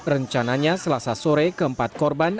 rencananya selasa sore keempat korban